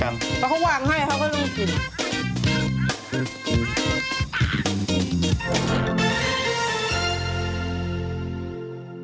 เขาวางให้เขาก็ต้องกิน